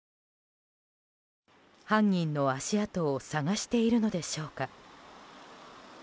犯人の足跡を探しているのでしょうか。